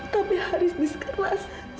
tapi haris disekerasa